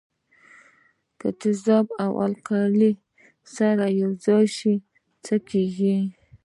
که تیزاب او القلي سره یوځای شي څه کیږي.